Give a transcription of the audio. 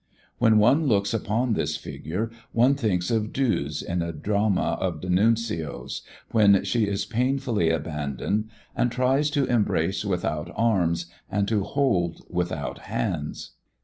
When one looks upon this figure one thinks of Duse in a drama of d'Annunzio's, when she is painfully abandoned and tries to embrace without arms and to hold without hands.